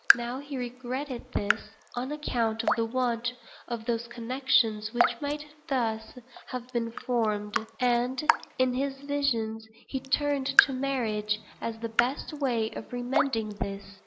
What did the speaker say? Now he regretted this, on account of the want of those connections which might thus have been formed; and, in his visions, he turned to marriage as the best way of remedying this.